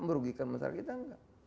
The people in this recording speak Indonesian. merugikan masyarakat kita enggak